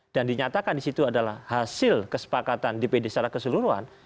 dan dinyatakan di situ adalah hasil kesepakatan dpd secara keseluruhan